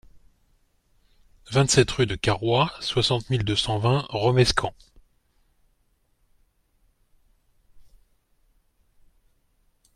vingt-sept rue de Carroix, soixante mille deux cent vingt Romescamps